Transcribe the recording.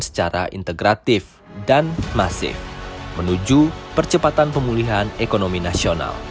secara integratif dan masif menuju percepatan pemulihan ekonomi nasional